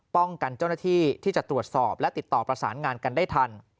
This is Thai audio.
เจ้าหน้าที่ที่จะตรวจสอบและติดต่อประสานงานกันได้ทัน